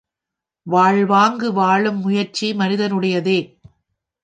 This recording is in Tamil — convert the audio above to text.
வாழ்வாங்கு வாழும் முயற்சி மனிதனுடையதே.